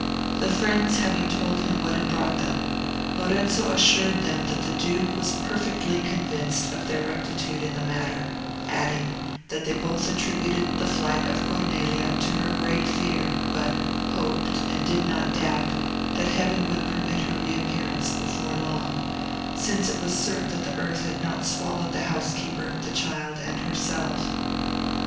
The friends having told him what had brought them, Lorenzo assured them that the duke was perfectly convinced of their rectitude in the matter, adding, that they both attributed the flight of Cornelia to her great fear, but hoped, and did not doubt, that Heaven would permit her re appearance before long, since it was certain that the earth had not swallowed the housekeeper, the child, and herself.